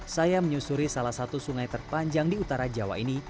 saya menyusuri salah satu sungai terpanjang di utara jawa ini